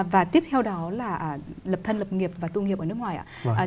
và tiếp theo đó là lập thân lập nghiệp và tu nghiệp ở nước ngoài ạ